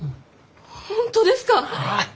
本当ですか？